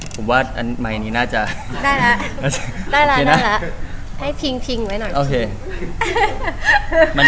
ผมว่าอันใหม่อันนี้น่าจะได้ละได้ละให้พิงไว้หน่อย